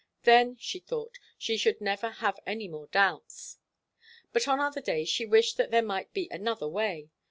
Then, she thought, she should never have any more doubts. But on other days she wished that there might be another way.